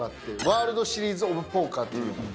ワールドシリーズオブポーカーっていうのが。